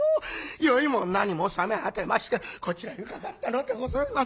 酔いも何も覚め果てましてこちらに伺ったのでございます。